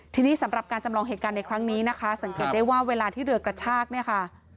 ทีนี้สำหรับการจำลองเหตุการณ์ในครั้งนี้นะคะสังเกตได้ว่าเวลาที่เรือกระชากเนี่ยค่ะ